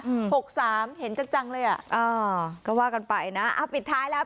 หกสามเห็นจังจังเลยอ่ะอ่าก็ว่ากันไปนะอ่าปิดท้ายแล้ว